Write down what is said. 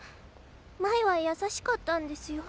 前は優しかったんですよ。